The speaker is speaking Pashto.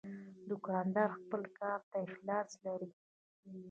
دوکاندار خپل کار ته اخلاص لري.